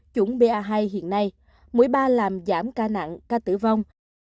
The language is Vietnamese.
chủng ba hai hiện nay mũi ba làm giảm ca nặng ca tử vong